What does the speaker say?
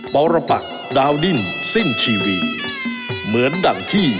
ปรปักดาวดิ้นสิ้นชีวิตเหมือนดั่งที่